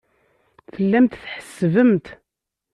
Tellamt tḥessbemt.